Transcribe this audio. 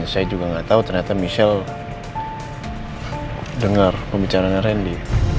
dan saya juga gak tau ternyata michelle dengar pembicaraan randy